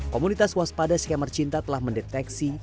komunitas waspada skamer cinta telah mendeteksi